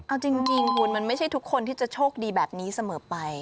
เอาจริงคุณมันไม่ใช่ทุกคนที่จะโชคดีแบบนี้เสมอไป